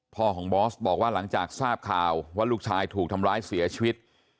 พ่อของบอสบอกว่าหลังจากทราบข่าวว่าลูกชายถูกทำร้ายเสียชีวิต